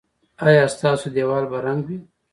ایا ستاسو دیوال به رنګ وي؟